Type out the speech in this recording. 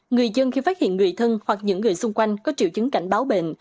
người dân khi phát hiện người thân hoặc những người xung quanh có triệu chứng cảnh báo bệnh